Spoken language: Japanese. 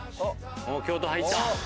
京都入った。